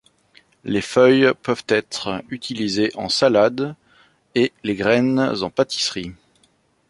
Les feuilles peuvent être utilisées en salade et les graines en pâtisserie.